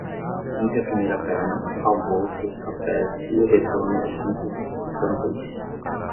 Entre a primeira perna, almoço, cafés e o retorno os cinco foram feitos.